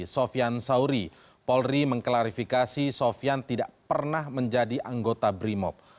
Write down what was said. sofian sauri polri mengklarifikasi sofian tidak pernah menjadi anggota brimob